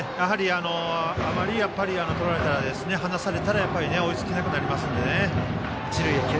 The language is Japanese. あまり取られて離されたら追いつけなくなりますのでね。